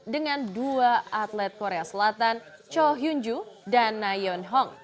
dengan dua atlet korea selatan cho hyun joo dan nayeon hong